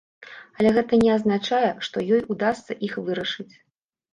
Але гэта не азначае, што ёй удасца іх вырашыць.